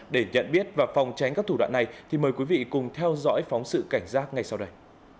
để nhận biết và phòng tránh các thủ đoạn này thì mời quý vị cùng theo dõi phóng sự cảnh giác ngay sau đây